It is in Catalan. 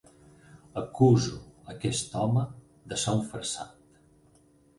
Acuso aquest home de ser un farsant!